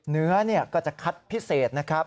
เนื้อก็จะคัดพิเศษนะครับ